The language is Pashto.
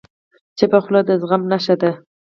چپه خوله، د زغم نښه ده.